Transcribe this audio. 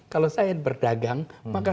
kalau saya berdagang maka